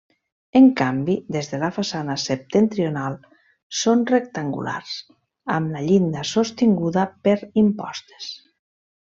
En canvi, les de la façana septentrional són rectangulars, amb la llinda sostinguda per impostes.